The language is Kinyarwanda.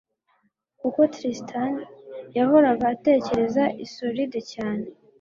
kuko Tristan yahoraga atekereza Isolde cyane.